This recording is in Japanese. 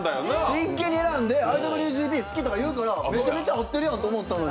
真剣に選んで、「ＩＷＧＰ」好きっていうからめちゃめちゃ合ってるやんって思ったのに。